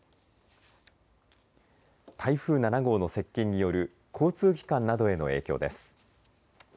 台風７号の接近による交通機関などへの影響です。